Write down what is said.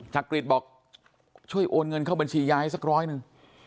จักริตบอกช่วยโอนเงินเข้าบัญชียายให้สักร้อยหนึ่ง